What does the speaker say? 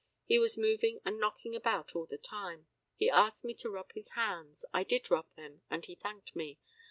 He was moving and knocking about all the time. He asked me to rub his hands. I did rub them, and he thanked me.